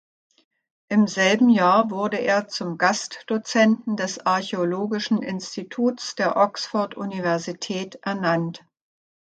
Im selben Jahr wurde er zum Gastdozenten des Archäologischen Instituts der Oxford Universität ernannt.